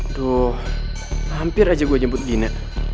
aduh hampir aja gue nyebut gina